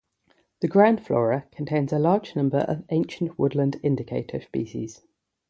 The ground flora contains a large number of Ancient Woodland Indicator species.